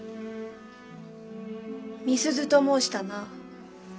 美鈴と申したな。